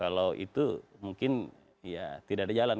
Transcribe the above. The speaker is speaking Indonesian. kalau itu mungkin ya tidak ada jalan